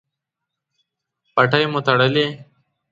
پټۍ مو تړلی؟